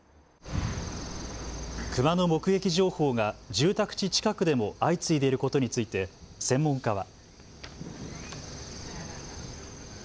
クマの目撃情報が住宅地近くでも相次いでいることについて専門家は。